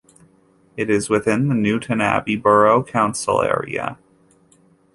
It is within the Newtownabbey Borough Council area.